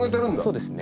そうですね。